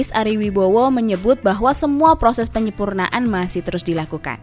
plt direktur proyek stadion jis ari wibowo menyebut bahwa semua proses penyempurnaan masih terus dilakukan